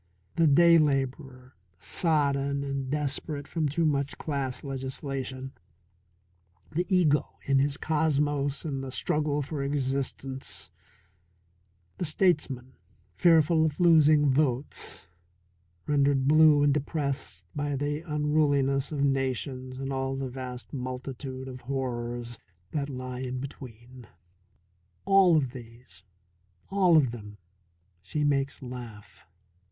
The day labourer, sodden and desperate from too much class legislation, the ego in his cosmos and the struggle for existence; the statesman, fearful of losing votes, rendered blue and depressed by the unruliness of nations and all the vast multitude of horrors that lie in between all of these, all of them, she makes laugh.